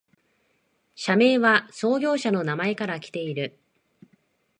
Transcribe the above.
社名は創業者の名前からきている